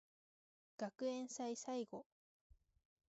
学園祭最後